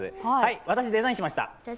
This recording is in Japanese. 私、デザインしました。